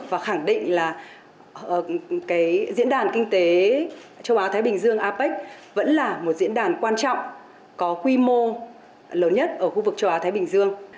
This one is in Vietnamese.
và khẳng định là diễn đàn kinh tế châu á thái bình dương apec vẫn là một diễn đàn quan trọng có quy mô lớn nhất ở khu vực châu á thái bình dương